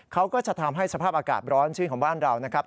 เขาก็จะทำให้สภาพอากาศร้อนชื่นของบ้านเรานะครับ